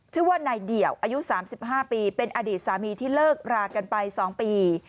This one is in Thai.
ชื่อว่านายเดี่ยวอายุ๓๕ปีเป็นอดีตสามีที่เลิกรากันไป๒ปี